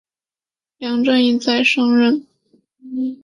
梁振英在上任数小时后便迎来数十万人在街上叫他下台的要求。